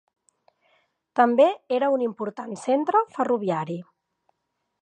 També era un important centre ferroviari.